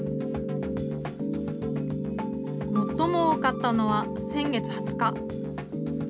最も多かったのは先月２０日。